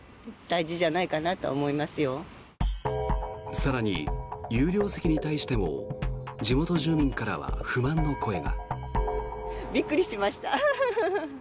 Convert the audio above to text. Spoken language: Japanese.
更に有料席に対しても地元住民からは不満の声が。